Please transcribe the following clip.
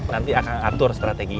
nanti akang atur strateginya